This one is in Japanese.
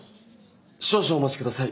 少々お待ちください。